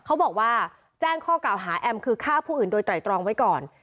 เขาบอกว่าแจ้งข้อกล่าวหาแอมคือฆ่าผู้อื่นโดยไตรตรองไว้ก่อน